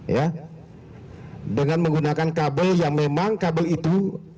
ya dengan menggunakan kabel yang memang kabel itu